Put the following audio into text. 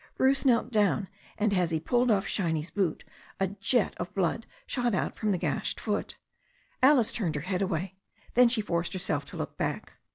Bruce knelt down, and as he pulled off Shiny's boot a jet of blood shot out from the gashed foot. Alice turned her head away. Then she forced herself to look back.